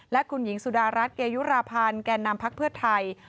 และคุณหญิงสุดารัฐเกยุราพันธ์แก่นำพักเพื่อไทย